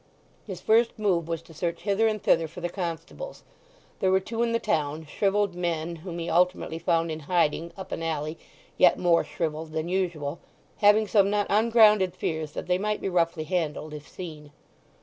His first move was to search hither and thither for the constables, there were two in the town, shrivelled men whom he ultimately found in hiding up an alley yet more shrivelled than usual, having some not ungrounded fears that they might be roughly handled if seen.